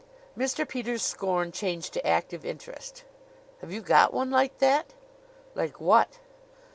'" Mr. Peters' scorn changed to active interest. "Have you got one like that?" "Like what?"